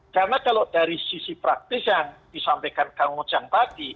karena kalau dari sisi praktis yang disampaikan pak ujang tadi